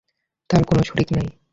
তাঁর কোন শরীক নেই।